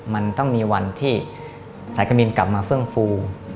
มันต้องมีวันที่สายการบินกลับมาเฟื่องฟู